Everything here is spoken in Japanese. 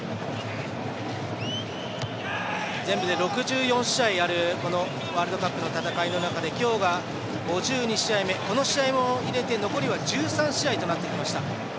全部で６４試合あるワールドカップの戦いの中で今日が５２試合目この試合も入れて残りは１３試合となってきました。